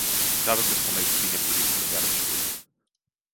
Claro que esta noite tiña previsto cambiar a chaqueta...